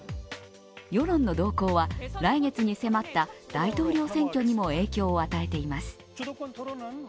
世論の動向は来月に迫った大統領選にも影響を与えています。